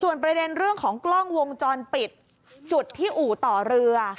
ประเด็นเรื่องของกล้องวงจรปิดจุดที่อู่ต่อเรือ